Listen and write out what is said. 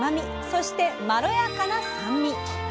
そしてまろやかな酸味。